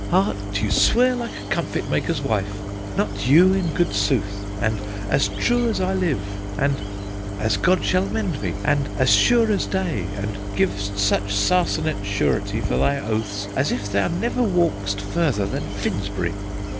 'Heart, you swear like a comfit maker's wife. 'Not you, in good sooth'; and, 'As true as I live'; and, 'As God shall mend me'; and, 'As sure as day': And giv'st such sarcenet surety for thy oaths, As if thou never walk'dst further than Finsbury.